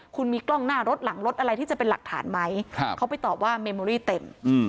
คุณมีกล้องหน้ารถหลังรถอะไรที่จะเป็นหลักฐานไหมเขาไปตอบว่าเมโมรี่เต็ม